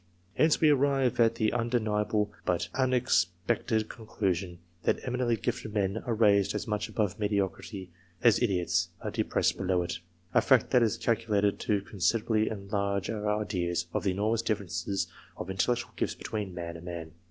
Hence we arrive at the undeniable, but unexpected conclusion, that eminently gifted men are raised as much above mediocrity as idiots are depressed below it ; a fact that is calculated to considerably enlarge our ideas of the enormous differences of intellectual gifts between man and man.